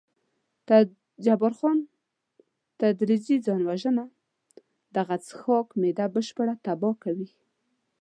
جبار خان: تدریجي ځان وژنه، دغه څښاک معده بشپړه تباه کوي.